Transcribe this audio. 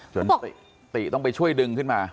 ติต้องไปช่วยดึงขึ้นมา